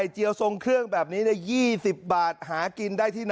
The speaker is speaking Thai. เจ๊นี